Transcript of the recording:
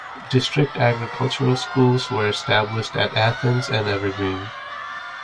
District agricultural schools were established at Athens and Evergreen.